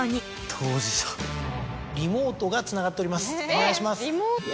お願いします。